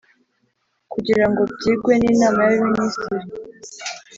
kugira ngo byigwe n’inama y’abaminisitiri.